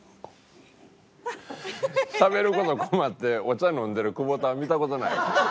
しゃべる事に困ってお茶飲んでる久保田は見た事ないわ。